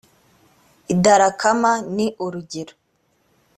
idarakama ni urugero